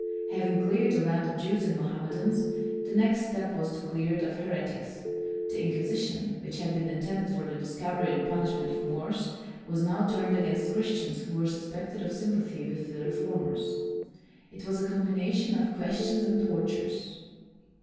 Having cleared the land of Jews and Mohammedans, the next step was to clear it of heretics. The In quisition, which had been intended for the discovery and punishment of Moors, i8o WILLIAM THE SILENT was now turned against Christians who were suspected of sympathy with the re formers. It was a combination of ques tions and tortures.